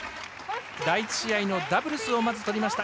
第１試合のダブルスをまず取りました。